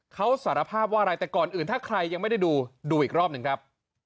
เขาสารภาพว่าอะไรแต่ก่อนอื่นถ้าใครยังไม่ได้ดูดูอีกรอบหนึ่งครับ